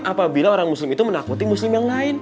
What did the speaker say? apabila orang muslim itu menakuti muslim yang lain